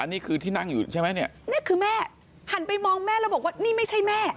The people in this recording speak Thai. นี่คือแม่หันไปมองแม่แล้วบอกว่านี่ไม่ใช่แม่